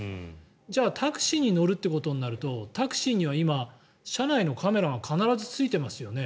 じゃあ、タクシーに乗るっていうことになるとタクシーには今、車内のカメラが必ずついてますよね。